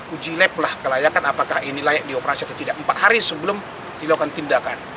uji lab lah kelayakan apakah ini layak dioperasi atau tidak empat hari sebelum dilakukan tindakan